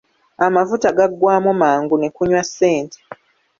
Amafuta gaggwamu mangu n'ekunywa ssente.